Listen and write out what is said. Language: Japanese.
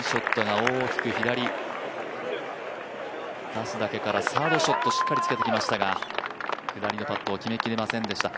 出すだけからサードショットしっかりつけてきましたが、下りのパットを決め切れませんでした。